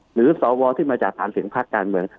สวที่มาจากฐานเสียงภาคการเมือง